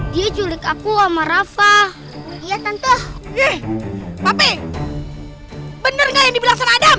dia julik aku sama rafa ya tante ini tapi bener nggak yang dibilang adam